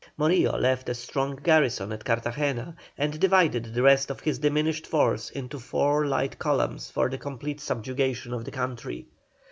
Morillo left a strong garrison at Cartagena and divided the rest of his diminished force into four light columns for the complete subjugation of the country.